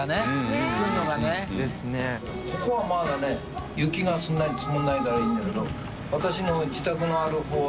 ここはまだね雪がそんなに積もらないからいいんだけど。